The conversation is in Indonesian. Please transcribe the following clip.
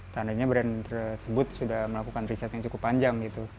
tandanya brand tersebut sudah melakukan riset yang cukup panjang gitu